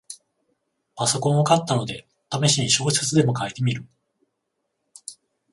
パソコンを買ったので、ためしに小説でも書いてみる